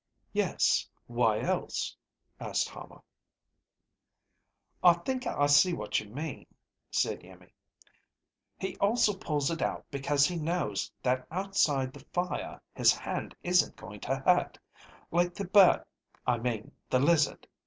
"Yes, why else?" asked Hama. "I think I see what you mean," said Iimmi. "He also pulls it out because he knows that outside the fire his hand isn't going to hurt. Like the bird, I mean the lizard.